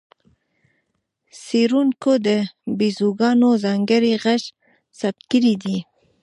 څېړونکو د بیزوګانو ځانګړی غږ ثبت کړی دی.